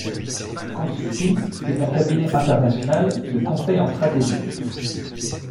Consulting est un cabinet international de conseil en stratégie.